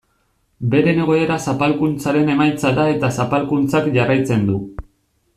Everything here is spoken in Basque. Beren egoera zapalkuntzaren emaitza da eta zapalkuntzak jarraitzen du.